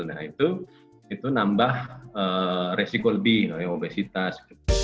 nah itu nambah resiko lebih obesitas